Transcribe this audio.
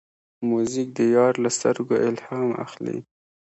موزیک د یار له سترګو الهام اخلي.